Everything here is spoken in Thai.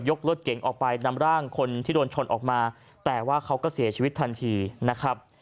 รถเก๋งออกไปนำร่างคนที่โดนชนออกมาแต่ว่าเขาก็เสียชีวิตทันทีนะครับ